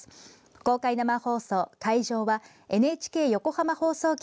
公開生放送、会場はＮＨＫ横浜放送局